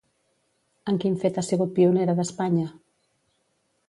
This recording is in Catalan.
En quin fet ha sigut pionera d'Espanya?